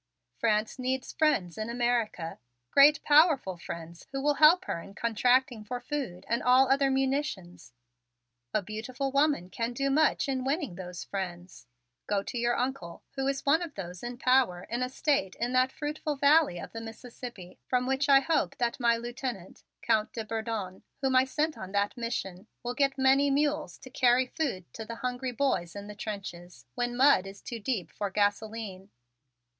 "France needs friends in America, great powerful friends who will help her in contracting for food and all other munitions. A beautiful woman can do much in winning those friends. You go to your uncle, who is one of those in power in a State in that fruitful valley of the Mississippi from which I hope that my lieutenant, Count de Bourdon, whom I sent on that mission, will get many mules to carry food to the hungry boys in the trenches when mud is too deep for gasoline.